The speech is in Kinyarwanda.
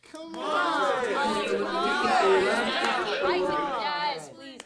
Umuyobozi ubifitiye ububasha ashobora